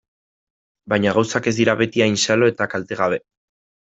Baina gauzak ez dira beti hain xalo eta kaltegabe.